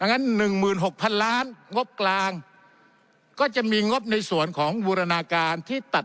งั้น๑๖๐๐๐ล้านงบกลางก็จะมีงบในส่วนของบูรณาการที่ตัด